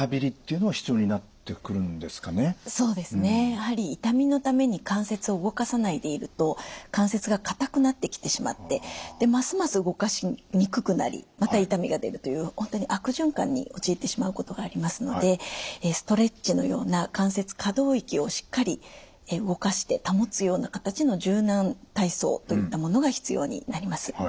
やはり痛みのために関節を動かさないでいると関節が固くなってきてしまってますます動かしにくくなりまた痛みが出るという本当に悪循環に陥ってしまうことがありますのでストレッチのような関節可動域をしっかり動かして保つような形の柔軟体操といったものが必要になります。